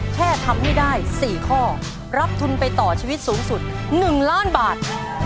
แค่ทำให้ได้๔ข้อรับทุนไปต่อชีวิตสูงสุด๑ล้านบาท